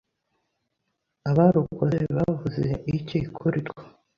Abarukoze bavuze iki kurirwo